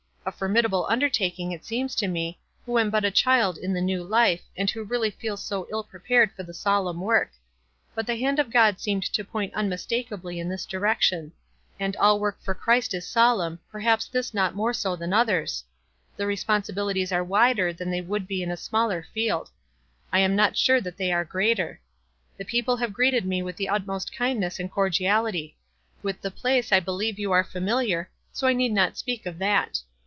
A formidable undertaking, it seems to me, who am but a child in the new life, and who really feels so ill prepared for the solemn work ; but the baud of God seemed to point unmistakably in this direction — and all work for Christ is solemn, perhaps this not more so than others. The responsibilities are wider than they would be in a smaller field. I am not sure that they are greater. The people have greeted me with the utmost kindness and cordiality. With the place I believe you are familiar, so I need not speak of that.